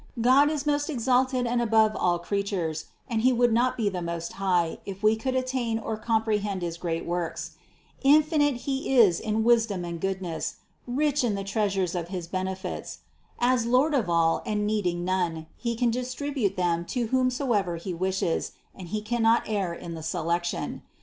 God is most exalted and above all creatures, and He would not be the Most High, if we could attain or comprehend his great works. Infinite He is in wisdom and goodness, 104 THE CONCEPTION 105 rich in the treasures of his benefits. As Lord of all and needing none, He can distribute them to whomsoever He wishes, and He cannot err in the selection.